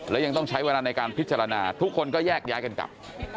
และยังต้องใช้เวลาในการพิจารณาทุกคนก็แยกย้ายกันกลับ